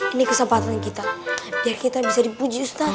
ini kesempatan kita biar kita bisa dipuji ustaz